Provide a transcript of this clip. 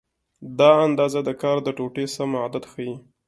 دا اندازه د کار د ټوټې سم عدد ښیي.